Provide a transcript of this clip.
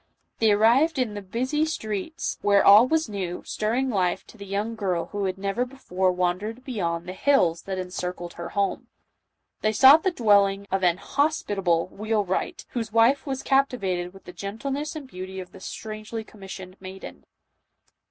They arrived in the busy streets, where all was new, stirring life, to the young girl who had never before wandered beyond the hills that encircled her home. They sought the dwell ing of an hospitable wheelwright, whose wife was cap tivated with the gentleness and beauty of the strangely commissioned maiden.